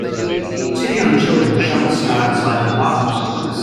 Two young children shovel snow outside an apartment complex.